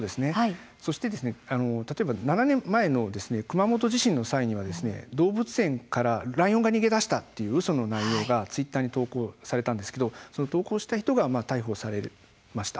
そしてですね７年前の熊本地震の際には動物園からライオンが逃げ出したといううその内容がツイッターに投稿されたんですけれども投稿した人が逮捕されました。